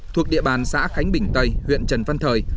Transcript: thuộc địa bàn xã khánh bình tây huyện trần văn thời